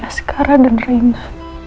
askara dan rina